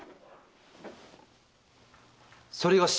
それがし